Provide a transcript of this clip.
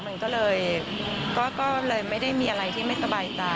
มันก็เลยไม่ได้มีอะไรที่ไม่สบายใจ